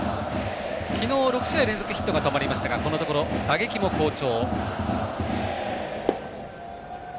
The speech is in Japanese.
昨日６試合連続ヒットでしたがこのところ、打撃も好調。